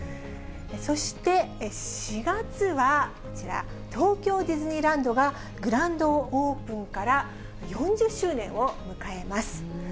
そして４月は、こちら、東京ディズニーランドが、グランドオープンから４０周年を迎えます。